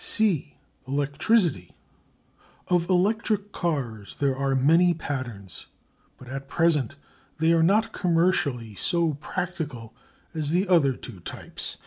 C. Electricity. Of electric cars there are many patterns, but at present they are not commercially so practical as the other two types.